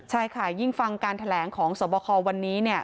ใช่ค่ะยิ่งฟังการแถลงของสวบคอวันนี้เนี่ย